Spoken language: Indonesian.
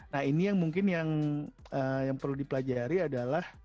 nah ini yang mungkin yang perlu dipelajari adalah